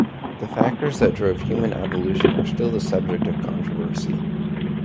The factors that drove human evolution are still the subject of controversy.